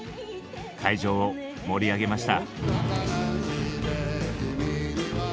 会場を盛り上げました。